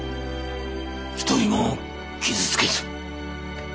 一人も傷つけず。